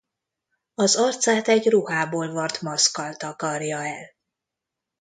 Az arcát egy ruhából varrt maszkkal takarja el.